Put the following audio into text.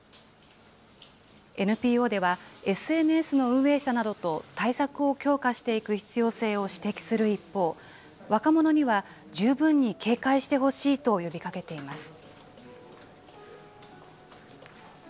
ＮＰＯでは、ＳＮＳの運営者などと対策を強化していく必要性を指摘する一方、若者には十分に警戒してほしいと呼びかけています。